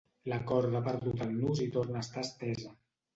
La corda ha perdut el nus i torna a estar estesa.